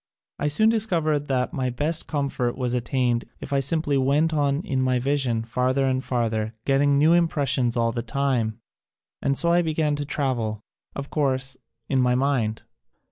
I soon discovered that my best com fort was attained if I simply went on in my vision farther and farther, getting new impressions all the time, and so I began to travel — of course, in my mind.